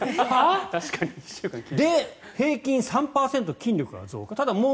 で、平均３％筋力が増加。